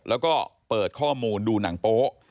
แล้วก็เปิดข้อมูลดูหนังโป๊ะ